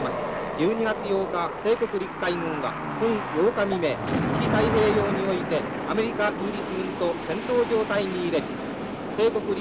１２月８日帝国陸海軍は本８日未明西太平洋においてアメリカイギリス軍と戦闘状態に入れり。